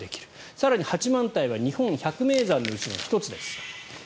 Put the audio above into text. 更に、八幡平は日本百名山のうちの１つです。